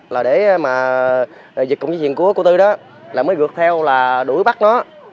là để mà dịch công chức truyền của cô tư đó là mới gượt theo là đuổi bắt nó